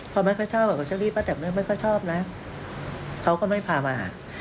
พอไม่ค่อยชอบก็เชอรี่ป้าแต่ไม่ค่อยชอบนะเขาก็ไม่พามา